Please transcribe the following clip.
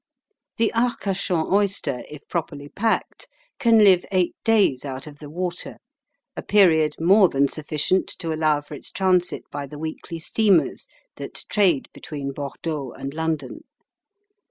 The Arcachon oyster, if properly packed, can live eight days out of the water, a period more than sufficient to allow for its transit by the weekly steamers that trade between Bordeaux and London.